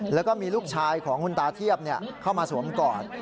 แล้วก็มีลูกชายของคุณตาเทียบเข้ามาสวมกอด